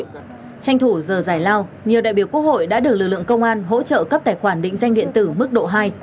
tranh thủ giờ giải lao nhiều đại biểu quốc hội đã được lực lượng công an hỗ trợ cấp tài khoản định danh điện tử mức độ hai